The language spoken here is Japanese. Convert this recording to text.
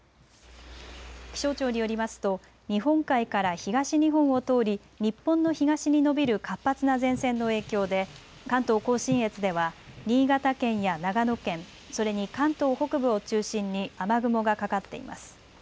気象庁によりますと日本海から東日本を通り日本の東に延びる活発な前線の影響で関東甲信越では新潟県や長野県、それに関東北部を中心に雨雲がかかっています。